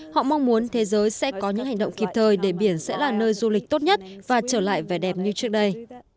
họ mong muốn thế giới sẽ có những hành động kịp thời để biển sẽ là nơi du lịch tốt nhất và trở lại vẻ đẹp như trước đây